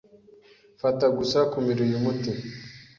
Fata gusa kumira uyu muti.